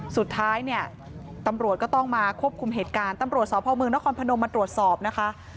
สุดท้ายเนี่ยตำรวจก็ต้องมาควบคุมเหตุการณ์ตำรวจสพมนครพนมมาตรวจสอบนะคะ